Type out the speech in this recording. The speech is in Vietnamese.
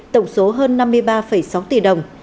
tổng số hơn năm mươi ba sáu tỷ đồng